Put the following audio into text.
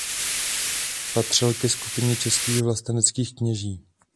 Patřil ke skupině českých vlasteneckých kněží.